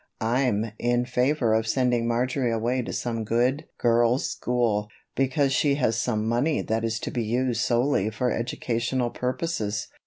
"I'm in favor of sending Marjory away to some good girls' school, because she has some money that is to be used solely for educational purposes.